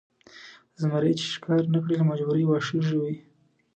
زمری چې ښکار نه کړي له مجبورۍ واښه ژوي.